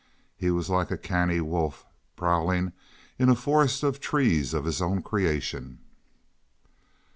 He was like a canny wolf prowling in a forest of trees of his own creation.